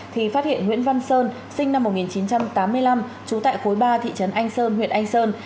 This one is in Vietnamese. thì phát hiện nguyễn văn sơn sinh năm một nghìn chín trăm tám mươi năm trú tại khối ba thị trấn anh sơn huyện anh sơn